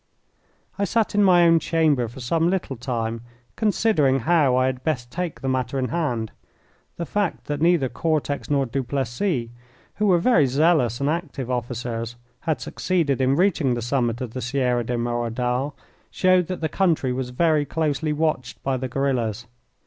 I sat in my own chamber for some little time considering how I had best take the matter in hand. The fact that neither Cortex nor Duplessis, who were very zealous and active officers, had succeeded in reaching the summit of the Sierra de Merodal, showed that the country was very closely watched by the guerillas.